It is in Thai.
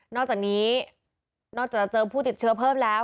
อกจากนี้นอกจากจะเจอผู้ติดเชื้อเพิ่มแล้ว